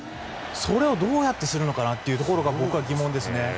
それをどうやってするのかなというところが僕は疑問ですね。